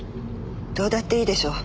どうだっていいでしょ。